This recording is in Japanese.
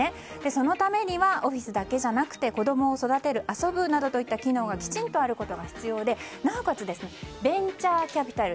そのためにはオフィスだけではなくて子供を育てる、遊ぶなどといったきちんとした機能が必要でなおかつベンチャーキャピタル